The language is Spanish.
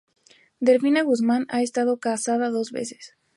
Delfina Guzmán ha estado casada dos veces.